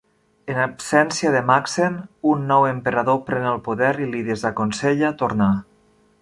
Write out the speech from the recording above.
En absència de Macsen, un nou emperador pren el poder i li desaconsella tornar.